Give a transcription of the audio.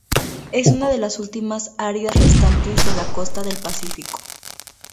Es una de las últimas áreas restantes de la costa del Pacífico.